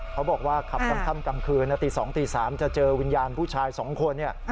เขาบอกว่าขับกลางค่ำกลางคืนตี๒ตี๓จะเจอวิญญาณผู้ชาย๒คน